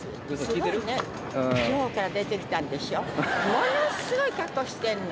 ものすごい格好してんの。